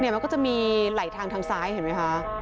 มันก็จะมีไหลทางทางซ้ายเห็นไหมคะ